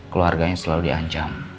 keluarganya selalu diancam